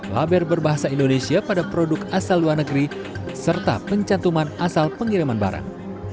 laber berbahasa indonesia pada produk asal luar negeri serta pencantuman asal pengiriman barang